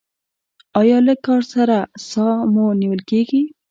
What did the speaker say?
ایا لږ کار سره ساه مو نیول کیږي؟